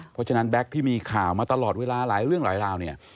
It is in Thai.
เพราะฉะนั้นแก๊กที่มีข่าวมาตลอดเวลาหลายเรื่องหลายราวเนี่ย